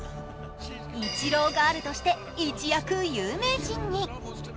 イチローガールとして一躍有名人に。